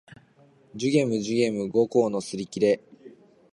寿限無寿限無五劫のすりきれ